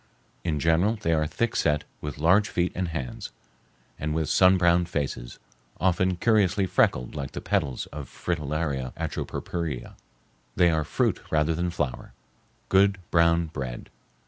In general they are thickset, with large feet and hands, and with sun browned faces, often curiously freckled like the petals of Fritillaria atropurpurea. They are fruit rather than flower—good brown bread.